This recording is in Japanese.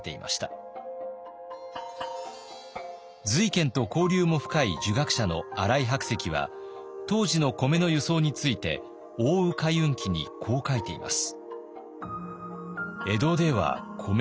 瑞賢と交流も深い儒学者の新井白石は当時の米の輸送について「奥羽海運記」にこう書いています。